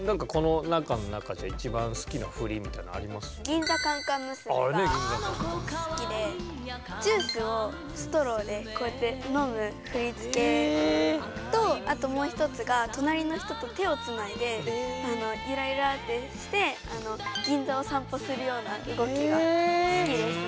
「銀座カンカン娘」が好きでジュースをストローでこうやって飲む振り付けとあともう一つが隣の人と手をつないでユラユラってして銀座を散歩するような動きが好きですね。